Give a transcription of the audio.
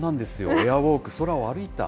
エアウォーク、空を歩いた。